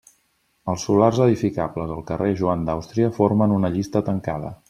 Els solars edificables al carrer Joan d'Àustria formen una llista tancada.